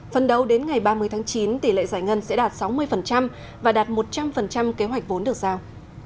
phần đầu đến ngày ba mươi tháng chín tỷ lệ giải ngân sẽ đạt sáu mươi và đạt một trăm linh kế hoạch vốn được giao